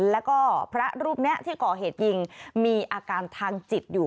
แล้วก็พระรูปนี้ที่ก่อเหตุยิงมีอาการทางจิตอยู่